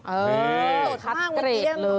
เออถัดเกรดเลย